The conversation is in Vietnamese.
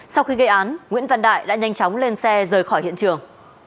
sau khi gây án nguyễn văn đại đã nhanh chóng lên xe rời khỏi hiện trường